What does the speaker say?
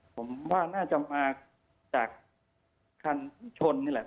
ผมว่าน่าจะมาจากคันชนนี่แหละ